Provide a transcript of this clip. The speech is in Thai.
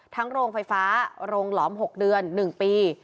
โรงไฟฟ้าโรงหลอม๖เดือน๑ปี